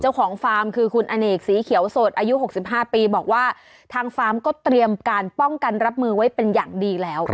เจ้าของคือคุณอเนกสีเขียวสดอายุหกสิบห้าปีบอกว่าทางก็เตรียมการป้องกันรับมือไว้เป็นอย่างดีแล้ว